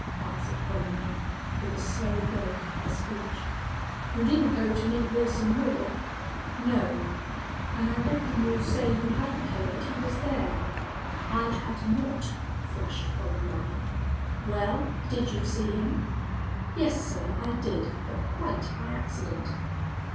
answered Columbine, with a slow break in her speech. "You didn't go to meet Wilson Moore?" "No." "An' I reckon you'll say you hadn't heerd he was there?" "I had not," flashed Columbine. "Wal, did you see him?" "Yes, sir, I did, but quite by accident."